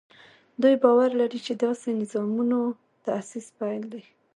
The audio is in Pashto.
دوی باور لري چې داسې نظامونو تاسیس پیل دی.